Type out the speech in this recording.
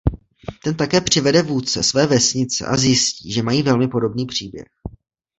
Ten také přivede vůdce své vesnice a zjistí že mají velmi podobný příběh.